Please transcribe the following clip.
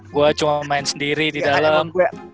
gue cuma main sendiri di dalam